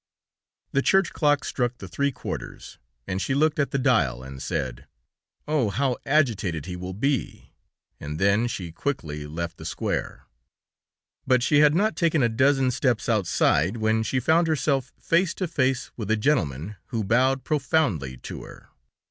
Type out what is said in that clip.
... The church clock struck the three quarters, and she looked at the dial, and said: "Oh, how agitated he will be!" and then she quickly left the square; but she had not taken a dozen steps outside, when she found herself face to face with a gentleman who bowed profoundly to her.